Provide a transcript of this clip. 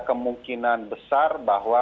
kemungkinan besar bahwa